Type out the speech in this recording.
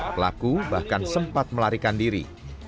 pelaku bahkan sempat melarikan diri